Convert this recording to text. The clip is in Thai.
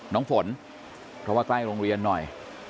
น้องฝนเพราะว่าใกล้โรงเรียนหน่อย